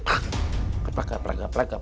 apakah apakah apakah